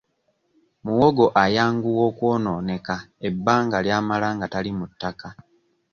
Muwogo ayanguwa okwonooneka ebbanga ly'amala nga tali mu ttaka.